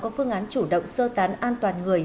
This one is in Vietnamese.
có phương án chủ động sơ tán an toàn người